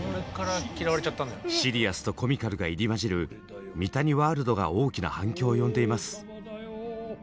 シリアスとコミカルが入り交じる三谷ワールドが大きな反響を呼んでいます。